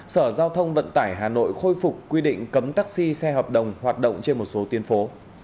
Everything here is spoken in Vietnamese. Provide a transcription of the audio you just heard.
sở giao thông vận tải hà nội khôi phục quy định cấm taxi xe hợp đồng hoạt động trên một số tuyến phố